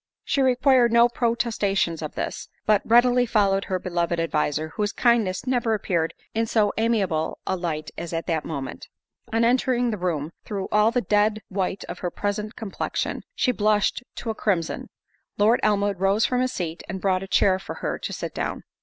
She required no protestations of this, but readily followed her beloved adviser, whose kindness never appeared in so amiable a light as at that moment. On entering the room, through all the dead white of her present complection, she blushed to a crimson. Lord Elmwood rose from his seat, and brought a chair for her to sit down.